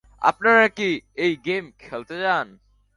আপনারা কি এই গেম খেলতে চান?